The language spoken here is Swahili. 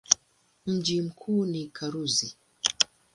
Mji mkuu ni Karuzi.